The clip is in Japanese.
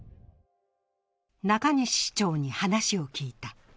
中西市長に話を聞いた。